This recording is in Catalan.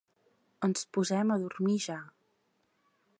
Ens posem a dormir ja.